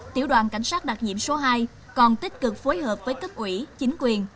tiểu đoàn cảnh sát đặc nhiệm số hai còn tích cực phối hợp với cấp ủy chính quyền